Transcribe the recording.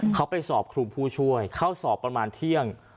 เขาไปสอบครูผู้ช่วยเข้าสอบประมาณเที่ยง